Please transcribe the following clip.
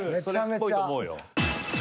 それっぽいと思うよ。